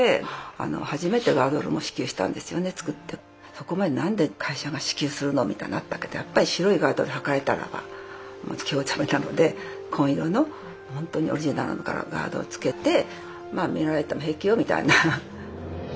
そこまでなんで会社が支給するの？みたいのあったけどやっぱり白いガードルはかれたらば興ざめなので紺色のガードル着けてまあ見られても平気よみたいな。